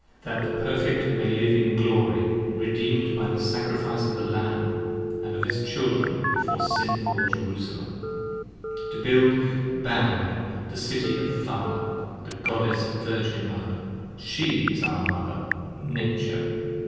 That the Perfect May live in glory, redeem'd by Sacrifice of the Lamb And of his children, before sinful Jerusalem. To build Babylon the City of Vala, the Goddess Virgin Mother. 30 She is our Mother! Nature!